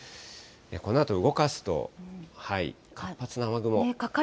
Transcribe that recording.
このあと動かすと、活発な雨雲。